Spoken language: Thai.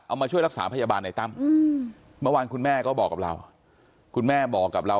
เอามาช่วยรักษาพยาบาลในตั้มอืมเมื่อวานคุณแม่ก็บอกกับเรา